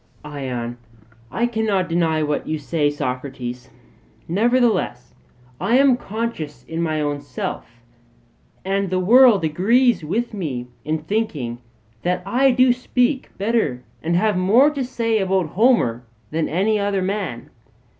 ION: I cannot deny what you say, Socrates. Nevertheless I am conscious in my own self, and the world agrees with me in thinking that I do speak better and have more to say about Homer than any other man.